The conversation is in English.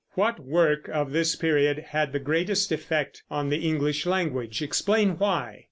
What work of this period had the greatest effect on the English language? Explain why.